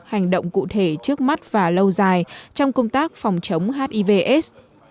hành động cụ thể trước mắt và lâu dài trong công tác phòng chống hivs